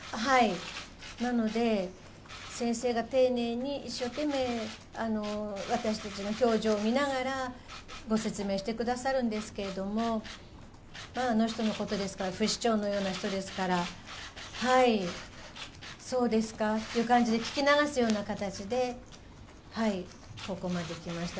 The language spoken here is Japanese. なので先生が丁寧に一生懸命、私たちの表情を見ながらご説明してくださるんですがあの人のことですから、不死鳥のような人ですから、はい、そうですかという感じで聞き流すような形でここまで来ました。